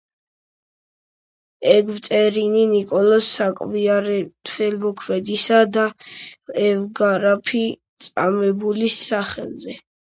ეგვტერები ნიკოლოზ საკვირველთმოქმედისა და ევგრაფი წამებულის სახელზე.